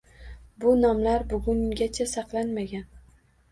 Bu nomlar bugungacha saqlanmagan.